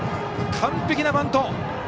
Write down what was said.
完璧なバント！